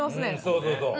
そうそうそう。